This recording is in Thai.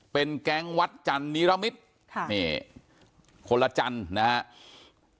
เป็นแก๊งวัดจันนิรมิตรค่ะนี่คนละจันทร์นะครับ